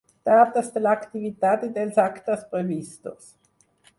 Dates de l'activitat i dels actes previstos.